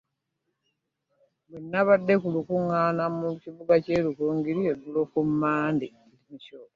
Bwe yabadde mu lukuŋŋaana mu kibuga ky'e Rukungiri eggulo ku Mmande